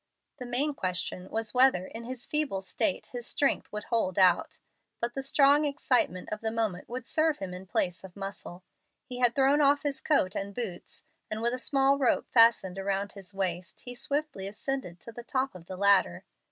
The main question was whether in his feeble state his strength would hold out. But the strong excitement of the moment would serve him in place of muscle. He had thrown off his coat and boots, and, with a small rope fastened about his waist, he swiftly ascended to the top of the ladder.